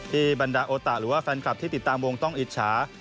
บรรดาโอตะหรือว่าแฟนคลับที่ติดตามวงต้องอิจฉา